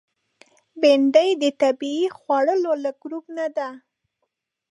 بېنډۍ د طبیعي خوړو له ګروپ نه ده